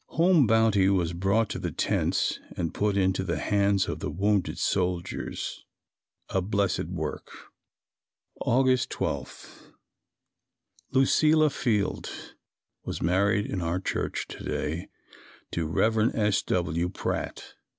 Home bounty was brought to the tents and put into the hands of the wounded soldiers. A blessed work. August 12. Lucilla Field was married in our church to day to Rev. S. W. Pratt.